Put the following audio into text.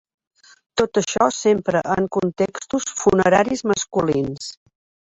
Tot això sempre en contextos funeraris masculins.